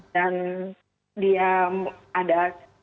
dan dia ada